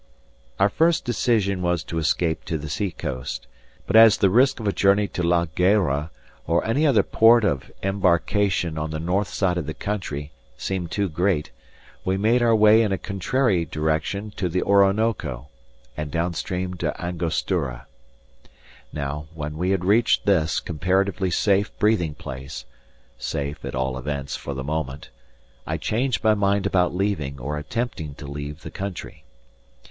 Our first decision was to escape to the sea coast; but as the risk of a journey to La Guayra, or any other port of embarkation on the north side of the country, seemed too great, we made our way in a contrary direction to the Orinoco, and downstream to Angostura. Now, when we had reached this comparatively safe breathing place safe, at all events, for the moment I changed my mind about leaving or attempting to leave the country.